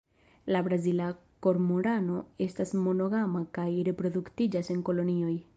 La Brazila kormorano estas monogama kaj reproduktiĝas en kolonioj.